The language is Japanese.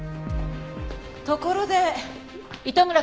ところで糸村くんは？